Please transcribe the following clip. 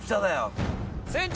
船長。